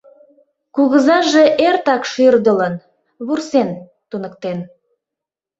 Кугызаже эртак шӱрдылын, вурсен «туныктен».